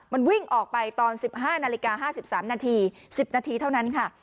มันวิ่งออกไปตอนสิบห้านาฬิกาห้าสิบสามนาทีสิบนาทีเท่านั้นค่ะ